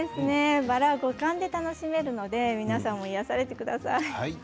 五感で楽しめるので皆さんも癒やされてください。